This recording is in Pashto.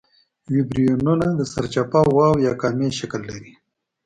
ویبریونونه د سرچپه واو یا کامي شکل لري.